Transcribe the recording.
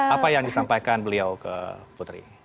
apa yang disampaikan beliau ke putri